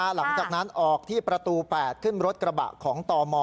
หลังจากนั้นออกที่ประตู๘ขึ้นรถกระบะของตม